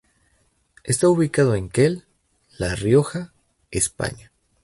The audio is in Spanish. Está ubicado en Quel, La Rioja, España.